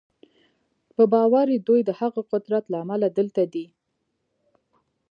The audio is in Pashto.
په باور یې دوی د هغه قدرت له امله دلته دي